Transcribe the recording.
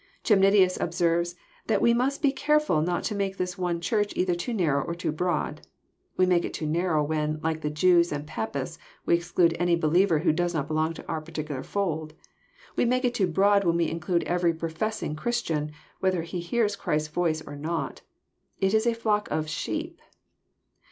Ohemnitius observes that we must be careftil not to make this one Church either too narrow or too broad. We make it too narrow when, like the Jews and the Papists, we exclude any believer who does not belong to our particular fold. We make it too broad when we include every professing Christian, whether lie hears Christ's voice or not. It is a flock of *' sheep."